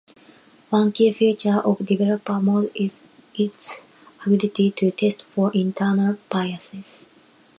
One key feature of Developer Mode is its ability to test for internal biases.